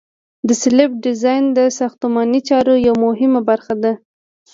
د سلب ډیزاین د ساختماني چارو یوه مهمه برخه ده